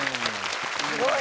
すごい！